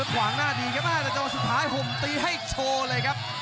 ขวางหน้าดีครับแต่จังหวะสุดท้ายห่มตีให้โชว์เลยครับ